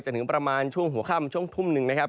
ถึงประมาณช่วงหัวค่ำช่วงทุ่มหนึ่งนะครับ